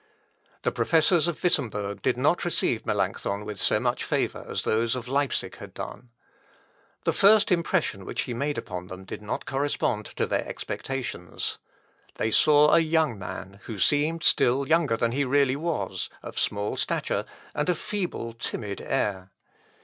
The professors of Wittemberg did not receive Melancthon with so much favour as those of Leipsic had done. The first impression which he made upon them did not correspond to their expectations. They saw a young man, who seemed still younger than he really was, of small stature, and a feeble, timid air.